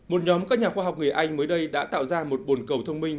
một nhóm các nhà khoa học người anh mới đây đã tạo ra một bồn cầu thông minh